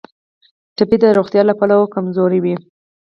ټپي د روغتیا له پلوه کمزوری وي.